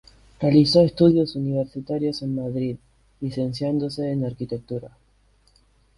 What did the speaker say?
Realizó estudios universitarios en Madrid, licenciándose en arquitectura.